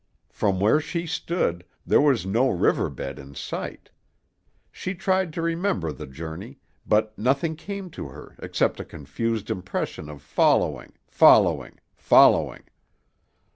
From where she stood, there was no river bed in sight. She tried to remember the journey, but nothing came to her except a confused impression of following, following, following.